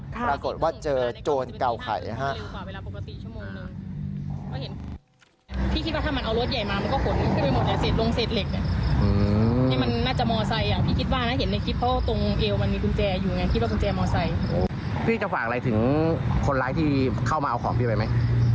ปรากฏว่าเจอโจรเก่าไข่ฮะ